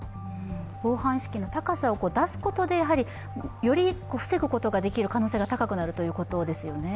防犯意識の高さを出すことでより防ぐことができる可能性が高くなるということですよね。